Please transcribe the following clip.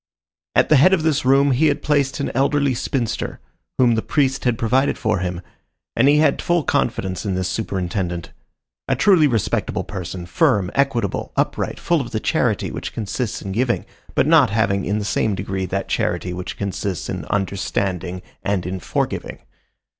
At the head of this room he had placed an elderly spinster, whom the priest had provided for him, and he had full confidence in this superintendent,—a truly respectable person, firm, equitable, upright, full of the charity which consists in giving, but not having in the same degree that charity which consists in understanding and in forgiving.